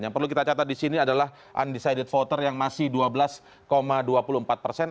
yang perlu kita catat di sini adalah undecided voter yang masih dua belas dua puluh empat persen